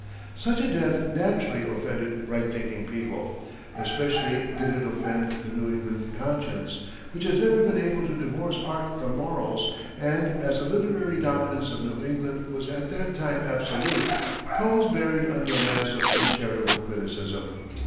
Such a death naturally offended right thinking people. Especially did it offend the New England conscience, which has never been able to divorce art from morals; and as the literary dominance of New England was at that time absolute, Poe was buried under a mass of uncharitable criticism.